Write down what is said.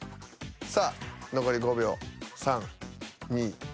さあ残り５秒３２１。